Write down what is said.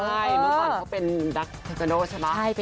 เมื่อก่อนเข้าเป็นนักเทคอนโดใช่ปะ